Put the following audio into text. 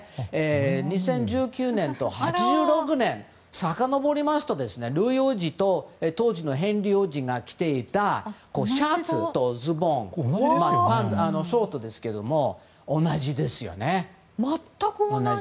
２０１９年と１９８６年をさかのぼりますと、ルイ王子と当時のヘンリー王子が着ていたシャツとズボン、ショートですが全く同じですね。